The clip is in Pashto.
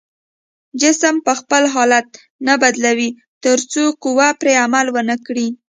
جسم به خپل حالت نه بدلوي تر څو قوه پرې عمل ونه کړي.